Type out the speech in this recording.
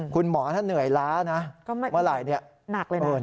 คุณหมอถ้าเหนื่อยล้าเมื่อไหร่